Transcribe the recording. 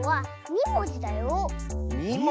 ２もじ？